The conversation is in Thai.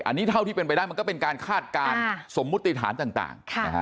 อันนี้เท่าที่เป็นไปได้มันก็เป็นการคาดการณ์สมมุติฐานต่าง